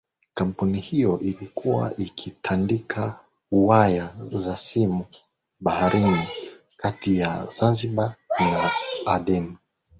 Kampuni hiyo ilikuwa ikitandika waya za simu baharini kati ya Zanzibar na Aden